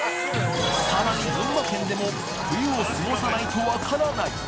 さらに群馬県でも冬を過ごさないと分からない